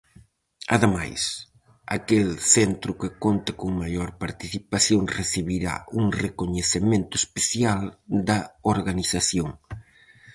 Ademais, aquel centro que conte con maior participación recibirá un recoñecemento especial da organización.